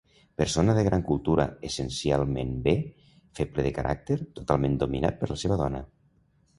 Persona de gran cultura, essencialment bé, feble de caràcter, totalment dominat per la seva dona.